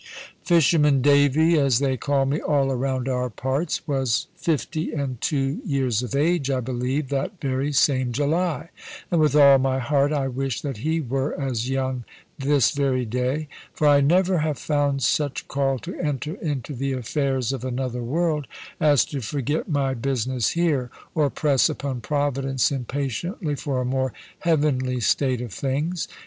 "Fisherman Davy" (as they call me all around our parts) was fifty and two years of age, I believe, that very same July, and with all my heart I wish that he were as young this very day. For I never have found such call to enter into the affairs of another world, as to forget my business here, or press upon Providence impatiently for a more heavenly state of things.